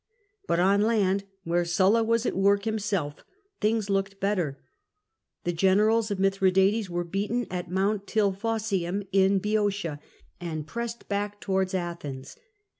But on land, where Sulla was at work himself, things looked better. The generals of Mithradates were beaten at Mount Tilphossium in Boeotia and pressed back to wards Athens.